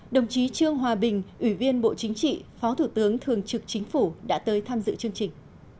đồng chí trương hòa bình ủy viên bộ chính trị phó thủ tướng thường trực chính phủ đã tới tham dự chương trình